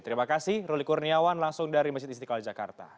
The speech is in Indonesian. terima kasih ruli kurniawan langsung dari masjid istiqlal jakarta